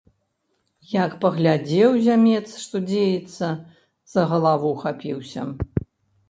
Як паглядзеў зямец, што дзеецца, за галаву хапіўся!